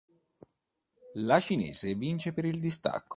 La cinese vince per distacco.